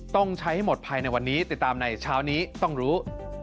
ต้องใช้ให้หมดภายในวันนี้ติดตามในเช้านี้ต้องรู้